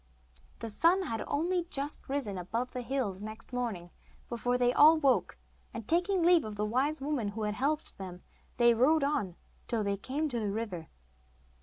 The sun had only just risen above the hills next morning before they all woke, and, taking leave of the wise woman who had helped them, they rode on till they came to the river.